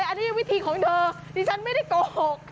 แต่อันนี้วิธีของเธอดิฉันไม่ได้โกหก